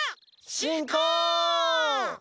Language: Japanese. しんこう！